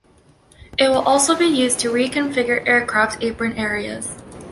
It will also be used to reconfigure aircraft apron areas.